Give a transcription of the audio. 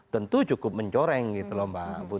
tentu cukup mencoreng gitu loh mbak putri